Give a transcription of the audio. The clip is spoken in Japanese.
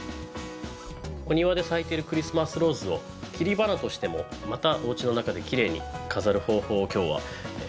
お庭で咲いてるクリスマスローズを切り花としてもまたおうちの中できれいに飾る方法を今日はご紹介したいと思います。